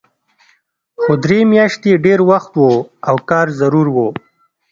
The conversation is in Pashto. خو درې میاشتې ډېر وخت و او کار ضرور و